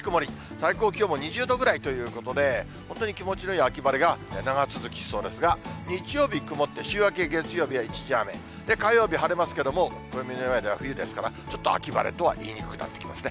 最高気温も２０度くらいということで、本当に気持ちのいい秋晴れが長続きしそうですが、日曜日曇って、週明け月曜日は一時雨、火曜日晴れますけれども、暦の上では冬ですから、ちょっと秋晴れとは言いにくくなってきますね。